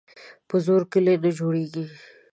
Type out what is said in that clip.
په زور کلي نه جوړیږي.